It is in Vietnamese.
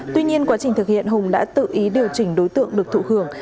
tuy nhiên quá trình thực hiện hùng đã tự ý điều chỉnh đối tượng được thụ hưởng